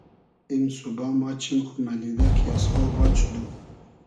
ایم سوبا ما چیم خو مئلیدۂ کی از خاو بال شودوم